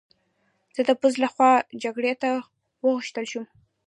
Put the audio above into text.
زه د پوځ له خوا جګړې ته وغوښتل شوم